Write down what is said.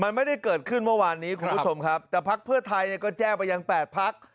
มันไม่ได้เกิดขึ้นเมื่อวานนี้คุณผู้ชมครับแต่พักเพื่อไทยเนี่ยก็แจ้งไปยังแปดพัก